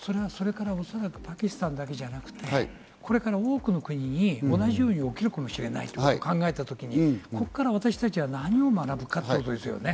パキスタンだけじゃなくてこれから多くの国に同じように起きるかもしれないと考えたとき、ここから私たちは何を学ぶかということですね。